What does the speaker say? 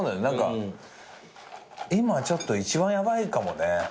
何か今ちょっと一番ヤバいかもね。